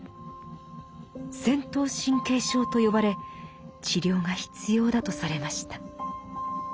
「戦闘神経症」と呼ばれ治療が必要だとされました。